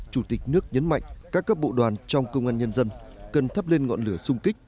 chủ tịch nước nhấn mạnh các cấp bộ đoàn trong công an nhân dân cần thắp lên ngọn lửa sung kích